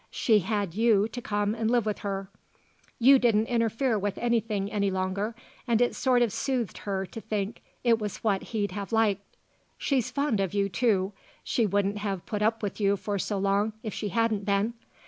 She had you to come and live with her. You didn't interfere with anything any longer and it sort of soothed her to think it was what he'd have liked. She's fond of you, too. She wouldn't have put up with you for so long if she hadn't been.